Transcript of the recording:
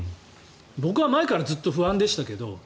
僕は前からずっと不安でしたけど。